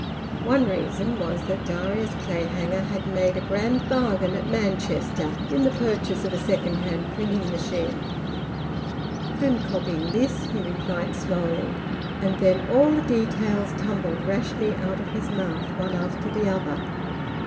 One reason was that Darius Clayhanger had made a grand bargain at Manchester in the purchase of a second hand printing machine. "I'm copying this," he replied slowly, and then all the details tumbled rashly out of his mouth, one after the other.